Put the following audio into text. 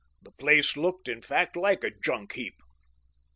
The place looked, in fact, like a junk heap.